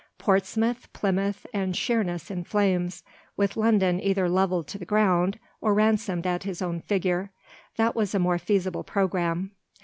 Portsmouth, Plymouth, and Sheerness in flames, with London either levelled to the ground or ransomed at his own figure—that was a more feasible programme.